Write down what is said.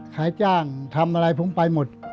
ขายจ้างทำอะไรผมไปหมด